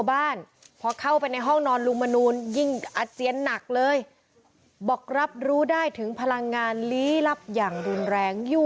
อาการไม่ได้แล้ว